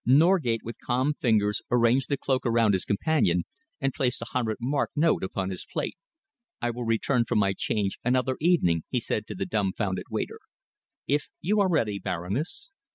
Norgate with calm fingers arranged the cloak around his companion and placed a hundred mark note upon his plate. "I will return for my change another evening," he said to the dumbfounded waiter. "If you are ready, Baroness."